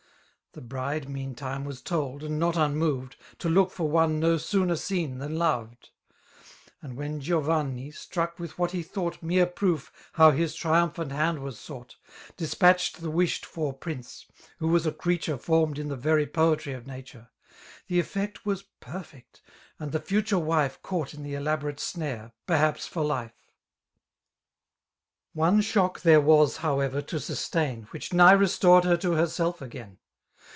The bride meantime was told, and not unibOved^ To look for one no sooner seen than loved ; And when Giovanni^ struck with what he thought Mere proof how his triumphant hand was sou^t^ S8 Dispatehed the wUlied for prince, who #a5 a creaturd Formed in the very poetrj of nature^ The effect was perfect^ and the fatare wife Caught in the dab(»ate snare^ perhaps for life. One shock there was, however^ to sustain. Which nigh restored her to herself again.